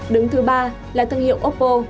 đứng thứ ba là tương hiệu oppo